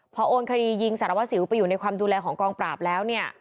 พอโอนคดียิงสารวัสสิวไปอยู่ในความดูแลของกองปราบแล้วเนี่ย